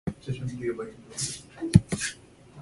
Four Corners began as a community of extended families.